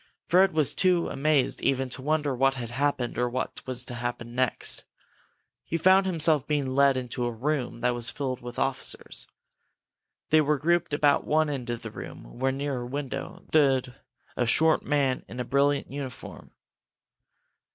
Fred was too amazed even to wonder what had happened or what was to happen next. He found himself being led into a room that was filled with officers. They were grouped about one end of the room, where, near a window, there stood a short man in a brilliant uniform.